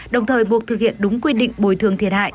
đồng thời buộc thực hiện đúng quy định bồi thường thiệt hại